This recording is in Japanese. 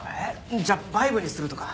じゃあバイブにするとか。